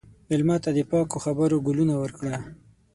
مېلمه ته د پاکو خبرو ګلونه ورکړه.